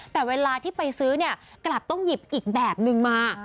แต่เวลาที่ไปซื้อเนี่ยกลับต้องหยิบอีกแบบนึงมา